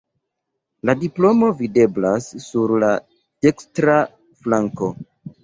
La diplomo videblas sur la dekstra flanko.